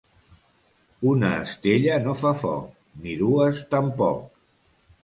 Una estella no fa foc; ni dues tampoc.